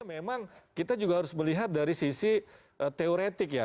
memang kita juga harus melihat dari sisi teoretik ya